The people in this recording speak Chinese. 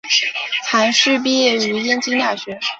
韩叙毕业于燕京大学。